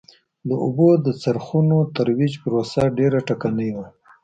د اوبو د څرخونو ترویج پروسه ډېره ټکنۍ وه.